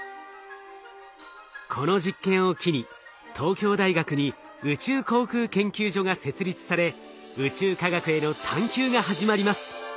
この実験を機に東京大学に宇宙航空研究所が設立され宇宙科学への探究が始まります。